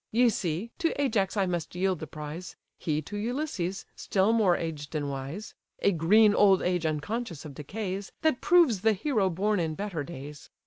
Ye see, to Ajax I must yield the prize: He to Ulysses, still more aged and wise; (A green old age unconscious of decays, That proves the hero born in better days!)